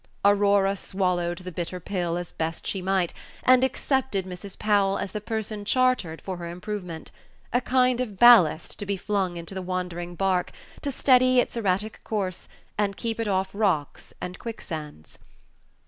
Aurora swallowed the bitter pill as best she might, and accepted Mrs. Powell as the person chartered for her improvement a kind of ballast to be flung into the wandering bark, to steady its erratic course, and keep it off rocks and quicksands.